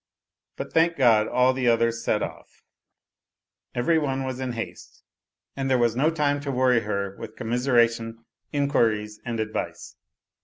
But, thank God, all the others set off, every one was in haste, and there was no time to worry her with commiseration, inquiries, and advice.